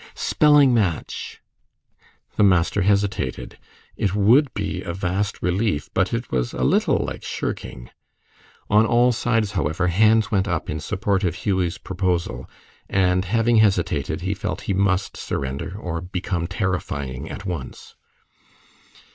"Spelling match!" The master hesitated. It would be a vast relief, but it was a little like shirking. On all sides, however, hands went up in support of Hughie's proposal, and having hesitated, he felt he must surrender or become terrifying at once.